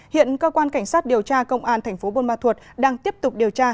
hiện cơ quan cảnh sát điều tra công an thành phố buôn ma thuột đang tiếp tục điều tra